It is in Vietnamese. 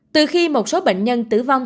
từ khi một số bệnh nhân tử vong